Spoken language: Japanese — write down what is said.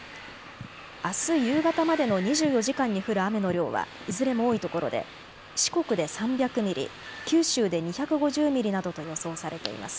あす夕方までの２４時間に降る雨の量はいずれも多いところで四国で３００ミリ、九州で２５０ミリなどと予想されています。